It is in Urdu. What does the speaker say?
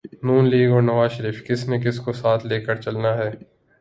نون لیگ اور نوازشریف کس نے کس کو ساتھ لے کے چلنا ہے۔